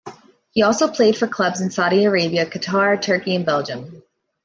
He also played for clubs in Saudi Arabia, Qatar, Turkey and Belgium.